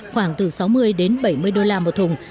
khoảng từ sáu mươi đến bảy mươi đô la một thùng